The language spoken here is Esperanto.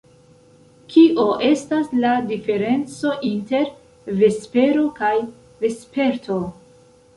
Kio estas la diferenco inter vespero kaj vesperto?